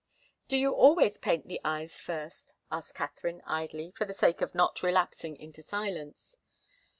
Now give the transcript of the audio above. "Do you always paint the eyes first?" asked Katharine, idly, for the sake of not relapsing into silence.